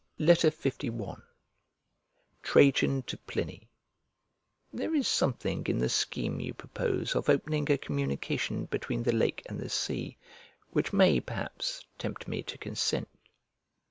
LI TRAJAN TO PLINY THERE is something in the scheme you propose of opening a communication between the lake and the sea, which may, perhaps, tempt me to consent.